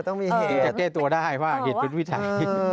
ถึงจะอืมนี่จะเกษตัวได้ว่างิตพุทธวิทัย